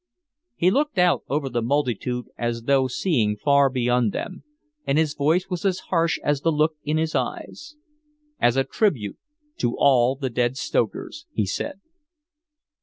He looked out over the multitude as though seeing far beyond them, and his voice was as harsh as the look in his eyes. "As a tribute to all the dead stokers," he said.